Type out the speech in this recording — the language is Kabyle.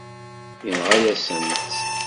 Yenɣa-yasent-t.